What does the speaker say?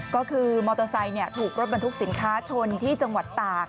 ก็คือมอเตอร์ไซค์ถูกรถบรรทุกสินค้าชนที่จังหวัดตาก